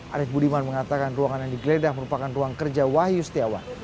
arief budiman mengatakan ruangan yang digeledah merupakan ruang kerja wahyu setiawan